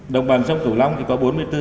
đồng bằng sông cửu long thì có bốn mươi bốn